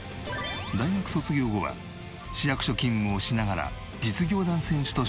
大学卒業後は市役所勤務をしながら実業団選手として活躍。